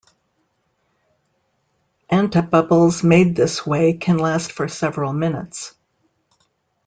Antibubbles made this way can last for several minutes.